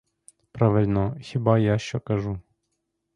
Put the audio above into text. Правильно, хіба я що кажу.